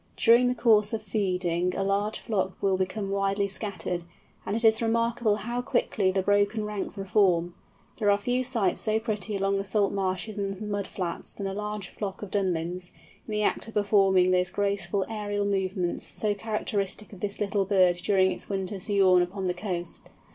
During the course of feeding a large flock will become widely scattered, and it is remarkable how quickly the broken ranks reform. There are few sights so pretty along the salt marshes and mud flats than a large flock of Dunlins, in the act of performing those graceful aerial movements so characteristic of this little bird during its winter sojourn upon the coast.